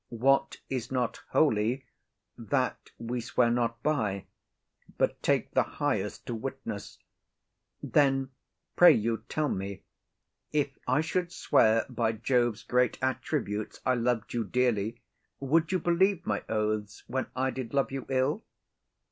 What is not holy, that we swear not by, But take the highest to witness: then, pray you, tell me, If I should swear by Jove's great attributes I lov'd you dearly, would you believe my oaths When I did love you ill?